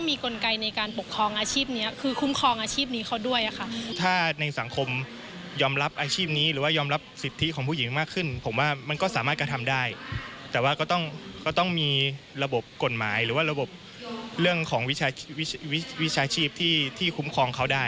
บริบทของสังคมแบบบ้านเรามันจะต่างกับนางประเทศเขา